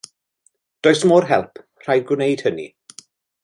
Does mo'r help, rhaid gwneud hynny.